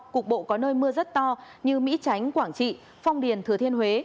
cục bộ có nơi mưa rất to như mỹ tránh quảng trị phong điền thừa thiên huế